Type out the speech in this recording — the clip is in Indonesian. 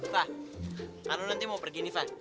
fah kalau nanti mau pergi nih fah